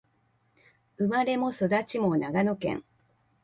生まれも育ちも長野県